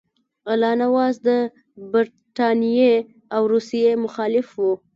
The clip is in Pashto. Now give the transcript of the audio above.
الله نواز د برټانیې او روسیې مخالف وو.